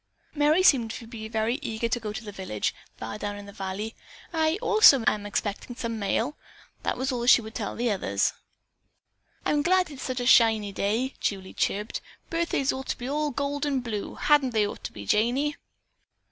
Merry seemed to be very eager to go to the village, far down in the valley. "I, also, am expecting some mail," was all that she would tell the others. "I'm glad it's such a shiny day," Julie chirped. "Birthdays ought to be all gold and blue, hadn't they ought to be, Janey?"